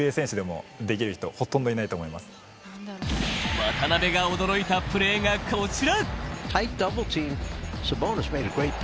渡邊が驚いたプレーがこちら。